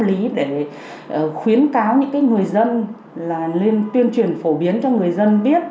lý để khuyến cáo những người dân lên tuyên truyền phổ biến cho người dân biết